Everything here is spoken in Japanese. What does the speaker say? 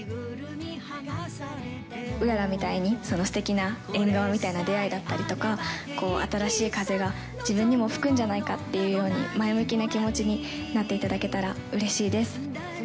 うららみたいに、そのすてきな縁側みたいな出会いだったりとか、新しい風が自分にも吹くんじゃないかっていうように、前向きな気持ちになっていただけたらうれしいです。